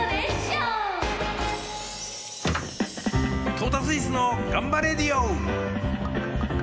「トータスイスのがんばレディオ！」。